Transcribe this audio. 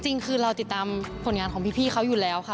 จริงคือเราติดตามผลงานของพี่เขาอยู่แล้วค่ะ